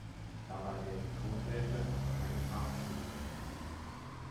Dabei werden Tonwerte, aber keine Farbtöne bestimmt.